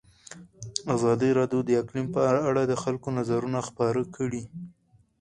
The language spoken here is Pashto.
ازادي راډیو د اقلیم په اړه د خلکو نظرونه خپاره کړي.